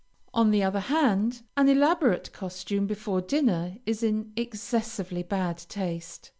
On the other hand, an elaborate costume before dinner is in excessively bad taste.